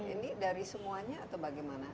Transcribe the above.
ini dari semuanya atau bagaimana